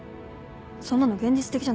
そんなの現実的じゃないでしょ。